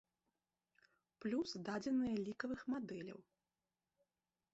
Плюс дадзеныя лікавых мадэляў.